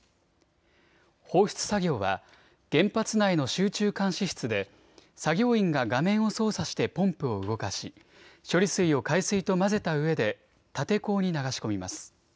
放出作業は原発内の集中監視室で作業員が画面を操作してポンプを動かし処理水を海水と混ぜたうえで立て坑に流し込みます。